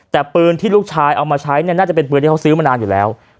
แต่ปืนที่ลูกชายเอามาใช้เนี่ยน่าจะเป็นปืนที่เขาซื้อมานานอยู่แล้ว